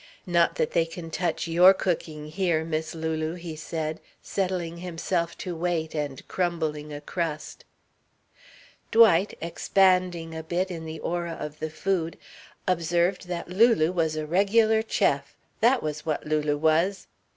"Not that they can touch your cooking here, Miss Lulu," he said, settling himself to wait, and crumbling a crust. Dwight, expanding a bit in the aura of the food, observed that Lulu was a regular chef, that was what Lulu was.